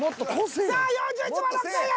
さあ４１６，０００円。